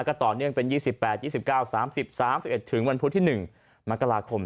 ก็ต่อเนื่องเป็น๒๘๒๙๓๐๓๑ถึงวันพุธที่๑มกราคม